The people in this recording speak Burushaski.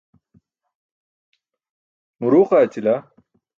muruuq aaćila.